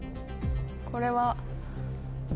これは。